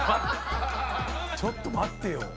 ちょっと待ってよ。